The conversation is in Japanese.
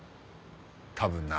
多分な。